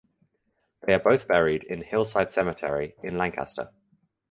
They are both buried in Hillside Cemetery in Lancaster.